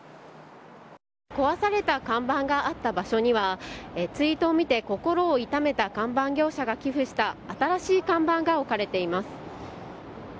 壊された看板があった場所にはツイートを見て心を痛めた看板業者が寄付した新しい看板が置かれています。